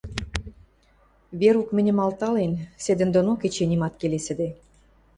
«Верук мӹньӹм алтален, седӹндонок эче нимат келесӹде.